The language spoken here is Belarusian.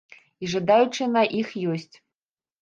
І жадаючыя на іх ёсць.